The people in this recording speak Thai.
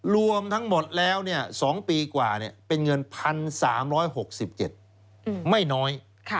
รวมทั้งหมดแล้ว๒ปีกว่าเป็นเงิน๑๓๖๗ไม่น้อย